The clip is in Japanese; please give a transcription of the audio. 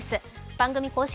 番組公式